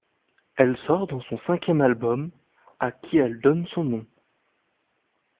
Elle sort dans son cinquième album, à qui elle donne son nom.